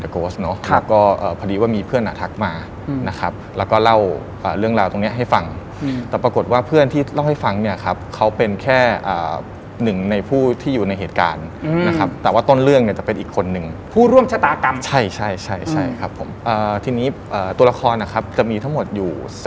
เขาก็เลยบอกว่าเฮ้ยถ้าอย่างนั้นเนี่ย